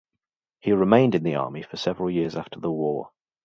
He remained in the army for several years after the war.